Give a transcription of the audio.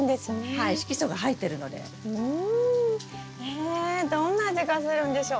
えどんな味がするんでしょ？